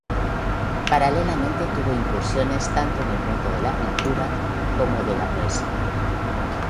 Paralelamente tuvo incursiones tanto en el mundo de la pintura como de la poesía.